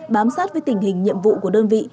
bám sát với tình hình nhiệm vụ của đơn vị